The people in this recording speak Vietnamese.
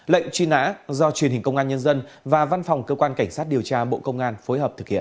lệnh truy nã do truyền hình công an nhân dân và văn phòng cơ quan cảnh sát điều tra bộ công an phối hợp thực hiện